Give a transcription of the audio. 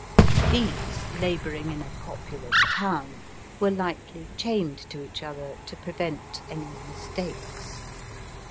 These, labour ing in a populous town, were Ughtly chained to each other to prevent any mistakes.